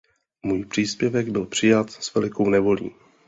Můj příspěvek byl přijat s velikou nevolí.